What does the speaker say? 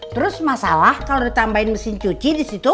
terus masalah kalau ditambahin mesin cuci di situ